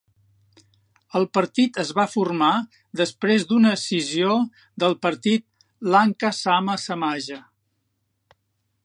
El partit es va formar després d'una escissió del partit Lanka Sama Samaja.